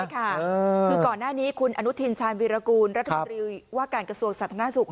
ใช่ค่ะคือก่อนหน้านี้คุณอนุทินชาญวิรากูลรัฐมนตรีว่าการกระทรวงสาธารณสุข